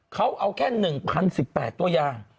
เขาเอาแค่๑๐๑๘ตัวอย่าง